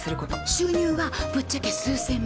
収入はぶっちゃけ数千万。